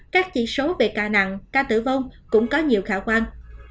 các chỉ số về ca nặng ca tử vong cũng có nhiều khả quan